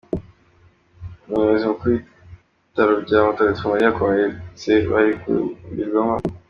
Umuyobozi mukuru w’ ibitaro bya Mutagatifu Mariya abakomeretse bari kuvurirwamo, Dr.